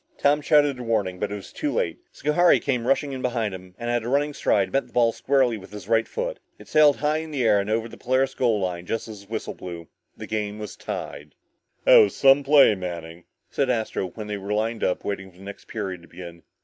Tom shouted a warning but it was too late. Schohari came rushing in behind him, and at running stride, met the ball squarely with his right foot. It sailed high in the air and over the Polaris goal line just as the whistle blew. The game was tied. "That was some play, Manning," said Astro, when they were lined up waiting for the next period to begin.